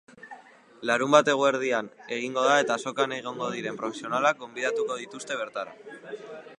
Larunbat eguerdian egingo da eta azokan egongo diren profesionalak gonbidatuko dituzte bertara.